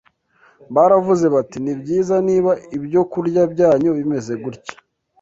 baravuze bati, “Ni byiza, niba ibyokurya byanyu bimeze gutya